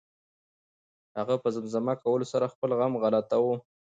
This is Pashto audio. هغه په زمزمه کولو سره خپل غم غلطاوه.